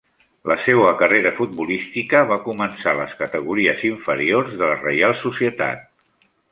La seua carrera futbolística va començar a les categories inferiors de la Reial Societat.